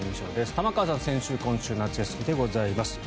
玉川さんは先週、今週夏休みでございます。